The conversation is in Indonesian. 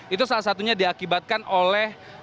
itu salah satunya diakibatkan oleh